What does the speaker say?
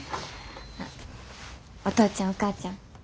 お父ちゃんお母ちゃん。